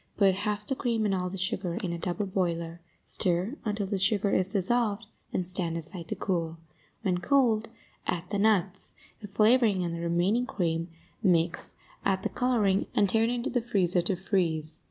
Put half the cream and all the sugar in a double boiler; stir until the sugar is dissolved and stand aside to cool; when cold, add the nuts, the flavoring and the remaining cream, mix, add the coloring, and turn into the freezer to freeze.